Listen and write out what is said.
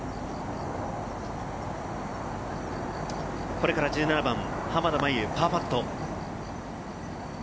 これから１７番、濱田茉優、パーパット。